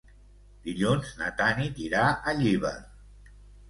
Dilluns na Tanit irà a Llíber.